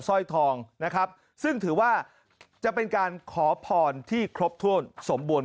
สร้อยทองนะครับซึ่งถือว่าจะเป็นการขอพรที่ครบถ้วนสมบูรณ